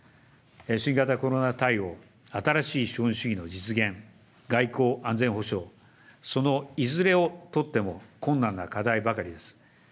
新型コロナ対応、新しい資本主義の実現、外交安全保障、そのいずれをとっても困難な課題ばかりです。